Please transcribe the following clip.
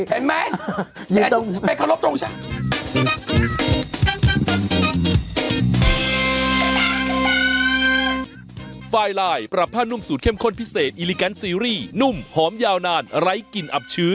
เห็นมั้ยเป็นข้อลบตรงฉะนั้น